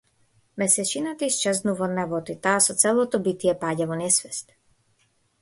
Месечината исчезнува од небото, и таа со целото битие паѓа во несвест.